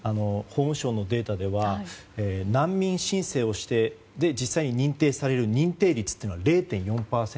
法務省のデータでは難民申請をして実際に認定される認定率は０．４％。